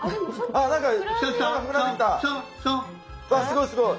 あすごい！